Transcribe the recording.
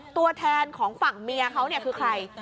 ตัวแทนของฝั่งเมียเขาเนี่ยคือใคร